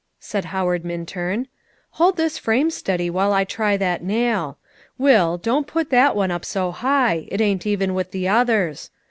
said Howard Minturn; "hold this frame steady while I try that nail. Will, don't put that one up so high, it ain't even with the others.